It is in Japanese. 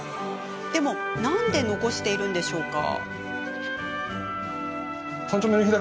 でも、なぜ残しているのでしょうか。